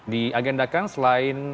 di agendakan selain mendaftar